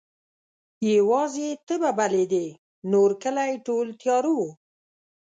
یواځي ته به بلېدې نورکلی ټول تیاره وو